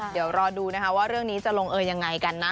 เดี๋ยวรอดูนะคะว่าเรื่องนี้จะลงเออยังไงกันนะ